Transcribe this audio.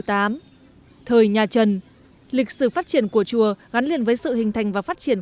thời nhà trần lịch sử phát triển của chùa gắn liền với sự hình thành và phát triển